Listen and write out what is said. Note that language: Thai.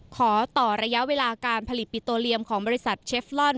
ขอต่อระยะเวลาการผลิตปิโตเรียมของบริษัทเชฟลอน